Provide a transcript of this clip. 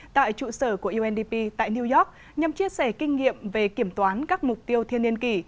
tại trụ sở của undp tại new york nhằm chia sẻ kinh nghiệm về kiểm toán các mục tiêu thiên niên kỷ